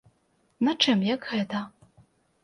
На чым, як гэта?